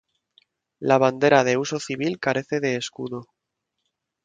La bandera de uso civil carece de escudo.